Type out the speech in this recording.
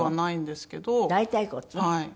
はい。